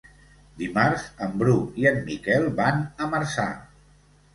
Dimarts en Bru i en Miquel van a Marçà.